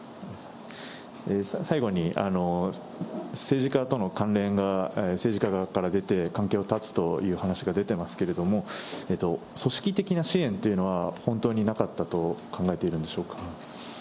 最後に政治家との関連が政治家側から出て、関係を断つという話が出ていますけれども、組織的な支援というのは本当になかったと考えているんでしょうか。